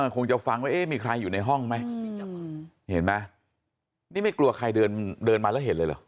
คงจะฟังว่าเอ๊ะมีใครอยู่ในห้องไหมเห็นไหมนี่ไม่กลัวใครเดินมาแล้วเห็นเลยเหรอ